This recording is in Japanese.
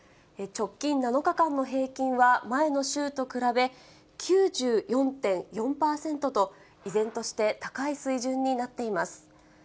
直近７日間の平均は前の週と比べ、９４．４％と、依然として高い水準になっています。